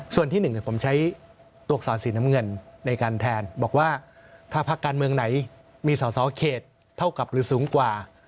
ส่วนที่๑ผมใช้ตัวอักษรสีน้ำเงินในการแทนบอกว่าถ้าพักการเมืองไหนมีสอสอเขตเท่ากับหรือสูงกว่า